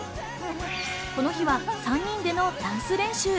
この日は３人でのダンス練習。